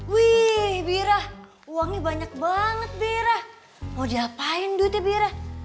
wih birah uangnya banyak banget bera mau diapain duitnya bira